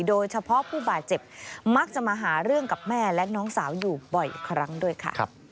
โดยเฉพาะผู้บาดเจ็บมักจะมาหาเรื่องกับแม่และน้องสาวอยู่บ่อยครั้งด้วยค่ะ